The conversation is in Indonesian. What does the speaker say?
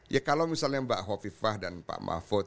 ya kalau misalnya mbak hovifah dan pak mahfud